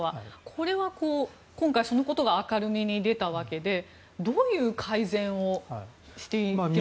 これは今回そのことが明るみに出たわけでどういう改善をしていけばいいのか。